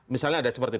misalnya ada seperti itu